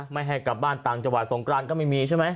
ไม่ให้กลับบ้านต่างจวายทรงกรรมก็ไม่มีใช่ไหม